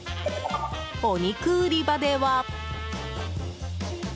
お肉売り場では。